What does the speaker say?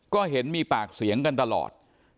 ก็เห็นมีปากเสียงกันตลอด